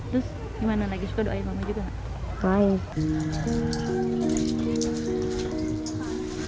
terus gimana lagi suka doain mama juga nggak